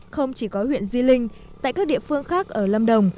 không chỉ có huyện di linh tại các địa phương khác ở lâm đồng